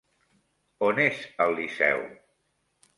On és el Liceu?